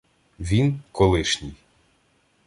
Він — колишній